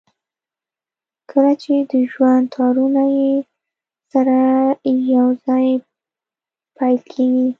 کله چې د ژوند تارونه يې سره يو ځای پييل کېږي.